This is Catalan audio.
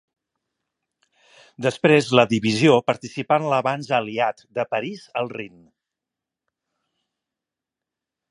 Després la divisió participà en l'avanç Aliat de París al Rin.